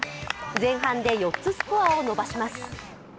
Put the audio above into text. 前半で４つスコアを伸ばします。